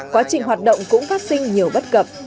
quá trình hoạt động cũng phát sinh nhiều bất cập